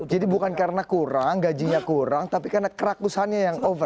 jadi bukan karena kurang gajinya kurang tapi karena kerakusannya yang over